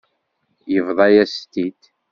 Yebḍa-yas-t-id.